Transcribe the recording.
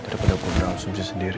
daripada gue langsung bisa sendiri